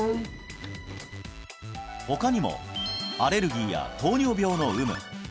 他にもアレルギーや糖尿病の有無